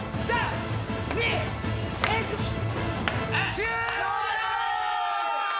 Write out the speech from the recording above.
終了！